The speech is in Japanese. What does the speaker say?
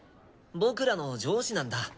僕らの上司なんだ。